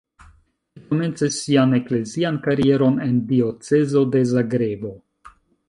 Li komencis sian eklezian karieron en diocezo de Zagrebo.